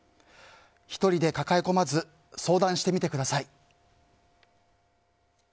１人で抱え込まず相談してみてください。